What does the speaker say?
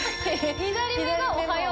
左目がおはよう。